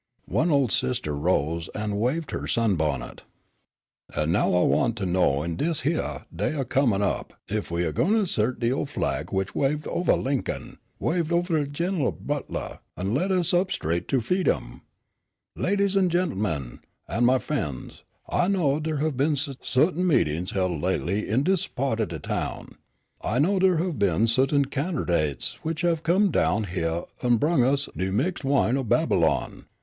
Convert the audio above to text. One old sister rose and waved her sunbonnet. "An' now I want to know in dis hyeah day o' comin' up ef we a gwineter 'sert de ol' flag which waved ovah Lincoln, waved ovah Gin'r'l Butler, an' led us up straight to f'eedom? Ladies an' gent'men, an' my f'en's, I know dar have been suttain meetin's held lately in dis pa't o' de town. I know dar have been suttain cannerdates which have come down hyeah an' brung us de mixed wine o' Babylon.